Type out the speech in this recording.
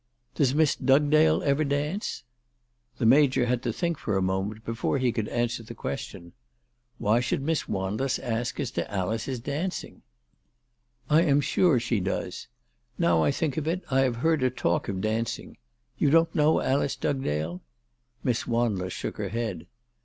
" Does Miss Dugdale ever dance ?" The Major had to think for a moment before he could answer the question. Why should Miss Wanless ask as to Alice's dancing ?" I am sure she does. Now ALICE DUGDALE. 349 I think of it I have heard her talk of dancing. You don't know Alice Dugdale?" Miss Wanless shook her head.